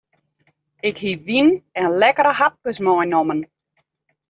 Ik hie wyn en lekkere hapkes meinommen.